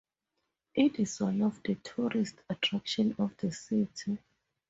It is one of the tourist attraction of the city.